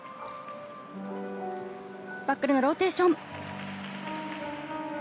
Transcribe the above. バックルのローテーション。